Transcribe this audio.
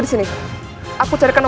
desa oran trons